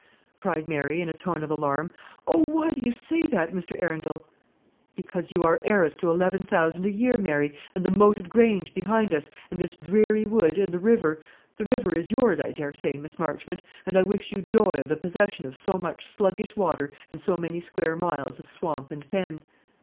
cried Mary, in a tone of alarm. "Oh, why do you say that, Mr. Arundel?" "Because you are heiress to eleven thousand a year, Mary, and the Moated Grange behind us; and this dreary wood, and the river, the river is yours, I daresay, Miss Marchmont; and I wish you joy of the possession of so much sluggish water and so many square miles of swamp and fen."